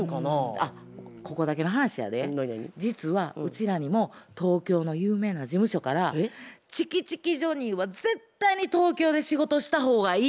あっここだけの話やで実はうちらにも東京の有名な事務所から「チキチキジョニーは絶対に東京で仕事した方がいい。